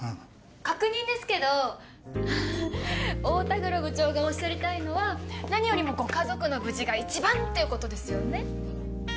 確認ですけど太田黒部長がおっしゃりたいのは何よりもご家族の無事が一番っていうことですよね？